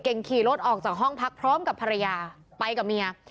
ขี่รถออกจากห้องพักพร้อมกับภรรยาไปกับเมีย